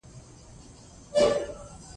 امر کړی و، نو د هماغې ورځې